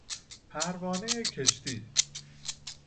پروانه کشتی